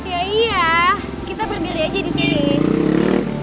ya iya kita berdiri aja disini